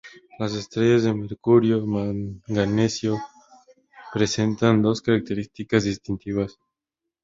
Las estrellas de mercurio-manganeso presentan dos características distintivas.